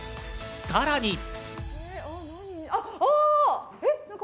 さらに。